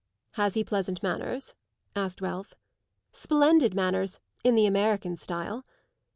"Has he pleasant manners?" asked Ralph. "Splendid manners in the American style."